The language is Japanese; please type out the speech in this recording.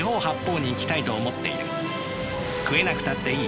食えなくたっていい。